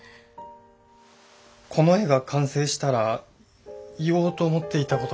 この絵が完成したら言おうと思っていた事があります。